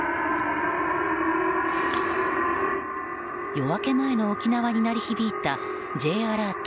夜明け前の沖縄に鳴り響いたＪアラート